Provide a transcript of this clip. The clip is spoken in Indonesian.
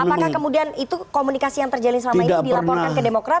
apakah komunikasi yang terjadi selama itu dilaporkan ke demokrat